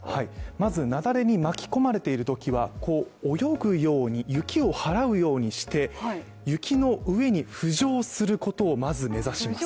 まず、雪崩に巻き込まれているときは泳ぐように雪を払うようにして雪の上に浮上することをまず目指します。